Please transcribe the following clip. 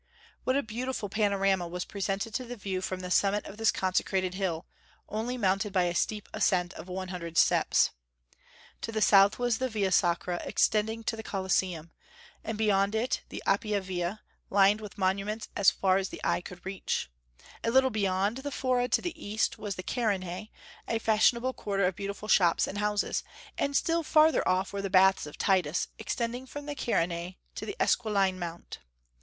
What a beautiful panorama was presented to the view from the summit of this consecrated hill, only mounted by a steep ascent of one hundred steps! To the south was the Via Sacra extending to the Colosseum, and beyond it the Appia Via, lined with monuments as far as the eye could reach. A little beyond the fora to the east was the Carinae, a fashionable quarter of beautiful shops and houses, and still farther off were the Baths of Titus, extending from the Carinae to the Esquiline Mount.